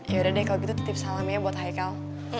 yaudah deh kalau gitu tutip salamnya buat hai kal